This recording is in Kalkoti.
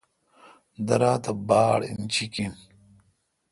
درا تہ باڑ اینچیک این۔